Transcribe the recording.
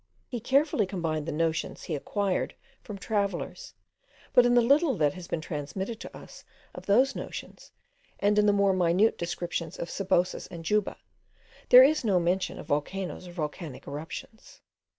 He carefully combined the notions he acquired from travellers; but in the little that has been transmitted to us of those notions, and in the more minute descriptions of Sebosus and Juba, there is no mention of volcanoes or volcanic eruptions.